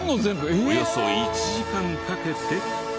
およそ１時間かけて。